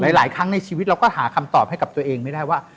หลายครั้งในชีวิตเราก็หาคำตอบให้กับตัวเองไม่ได้ว่า